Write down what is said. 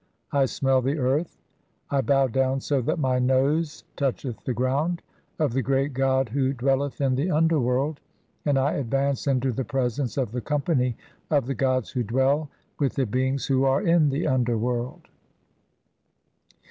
I smell the earth "(»'. e., I bow down so that my nose toucheth the ground) of "the great god who dwelleth in the underworld, and I advance "(4) into the presence of the company of the gods who dwell "with the beings who are in the underworld.